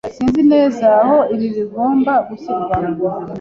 Sinzi neza aho ibi bigomba gushyirwa.